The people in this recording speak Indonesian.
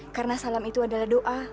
karena salam itu adalah doa